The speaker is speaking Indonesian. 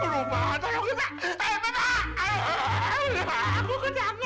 perubahan saya pak